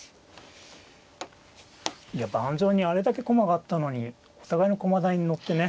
盤上にあれだけ駒があったのにお互いの駒台に載ってね。